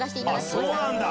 そうなんだ。